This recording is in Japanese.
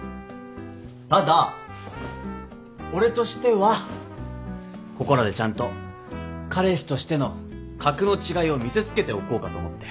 ただ俺としてはここらでちゃんと彼氏としての格の違いを見せつけておこうかと思って。